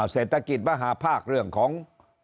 เศรษฐกิจมหาภาคเรื่องของ